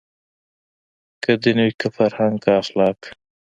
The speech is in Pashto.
که دین وي که فرهنګ که اخلاق